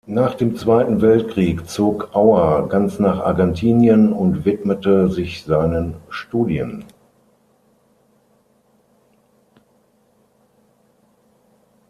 Nach dem Zweiten Weltkrieg zog Auer ganz nach Argentinien und widmete sich seinen Studien.